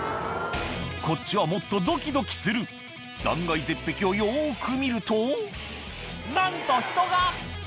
こっちはもっとドキドキする断崖絶壁をよく見るとなんと人が！